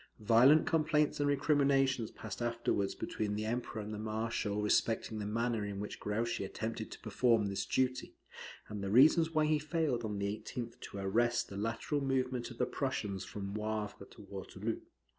Violent complaints and recriminations passed afterwards between the Emperor and the marshal respecting the manner in which Grouchy attempted to perform this duty, and the reasons why he failed on the 18th to arrest the lateral movement of the Prussians from Wavre to Waterloo.